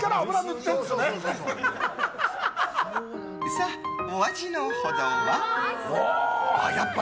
さあ、お味のほどは？